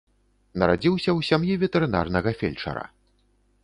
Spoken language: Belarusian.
Нарадзіўся ў сям'і ветэрынарнага фельчара.